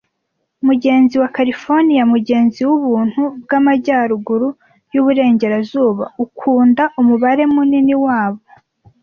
Mugenzi wa Californiya, mugenzi wubuntu bwamajyaruguru-yuburengerazuba, (ukunda umubare munini wabo,)